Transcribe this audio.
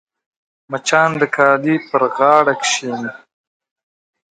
مچان د کالي پر غاړه کښېني